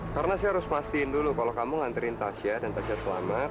karena saya harus pastiin dulu kalau kamu nganterin tasya dan tasya selamat